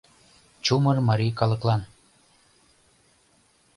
Чумыр марий калыклан